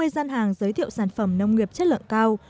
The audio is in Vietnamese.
hai mươi gian hàng giới thiệu sản phẩm nông nghiệp chất lượng cao